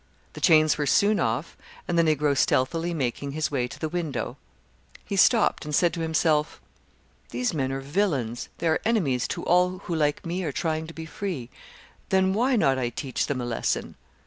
The chains were soon off, and the Negro stealthily making his way to the window: he stopped and said to himself, "These men are villains, they are enemies to all who like me are trying to be free. Then why not I teach them a lesson?"